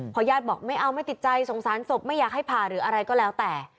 พอญาติบอกไม่เอาไม่ติดใจสงสารศพไม่อยากให้ผ่าหรืออะไรก็แล้วแต่